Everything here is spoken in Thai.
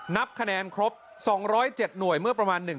กายุ่ง